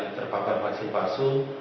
yang terpapar vaksin palsu